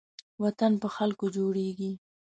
وطن په خلکو جوړېږي